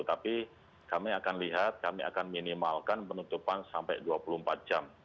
tapi kami akan lihat kami akan minimalkan penutupan sampai dua puluh empat jam